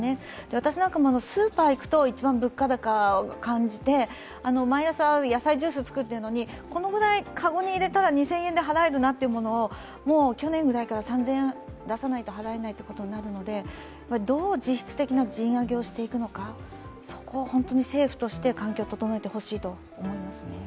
私なんかはスーパー行くと一番物価高を感じて、毎朝野菜ジュースを作っているのにこのぐらい籠に入れたら２０００円で払えるなというものをもう去年ぐらいから３０００円出さないと払えないってことになってきたのでどう実質的な賃上げをしていくのか、そこを政府として環境を整えてほしいと思いますね。